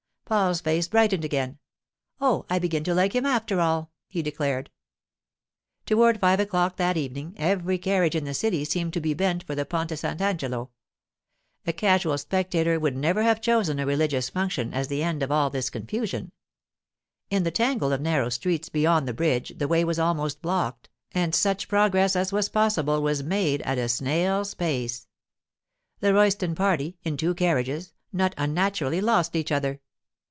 Paul's face brightened again. 'Oh, I begin to like him, after all,' he declared. Toward five o'clock that evening every carriage in the city seemed to be bent for the Ponte Sant' Angelo. A casual spectator would never have chosen a religious function as the end of all this confusion. In the tangle of narrow streets beyond the bridge the way was almost blocked, and such progress as was possible was made at a snail's pace. The Royston party, in two carriages, not unnaturally lost each other.